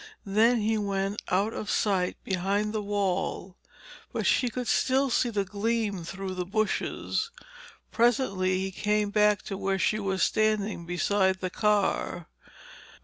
Then he went out of sight behind the wall but she could still see the gleam through the bushes. Presently he came back to where she was standing beside the car.